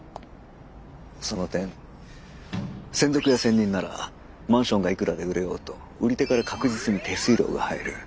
その点専属や専任ならマンションがいくらで売れようと売り手から確実に手数料が入る。